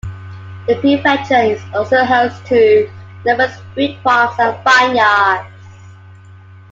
The prefecture is also host to numerous fruit farms and vineyards.